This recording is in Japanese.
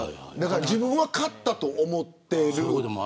自分は買ったと思ってる。